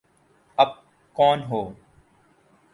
آپ کون ہو؟